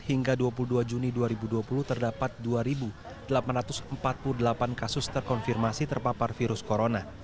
hingga dua puluh dua juni dua ribu dua puluh terdapat dua delapan ratus empat puluh delapan kasus terkonfirmasi terpapar virus corona